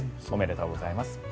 おめでとうございます。